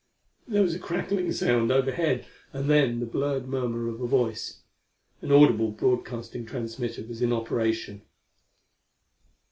There was a crackling sound overhead, and then the blurred murmur of a voice. An audible broadcasting transmitter was in operation.